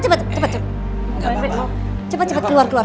cepet cepet keluar keluar keluar